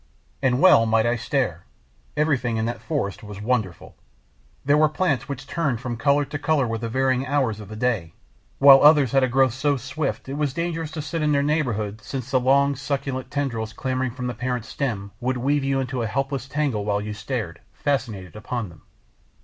And well might I stare! Everything in that forest was wonderful! There were plants which turned from colour to colour with the varying hours of the day. While others had a growth so swift it was dangerous to sit in their neighbourhood since the long, succulent tendrils clambering from the parent stem would weave you into a helpless tangle while you gazed, fascinated, upon them.